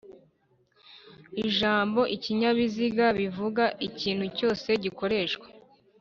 Ijambo "ikinyabiziga" bivuga ikintu cyose gikoreshwa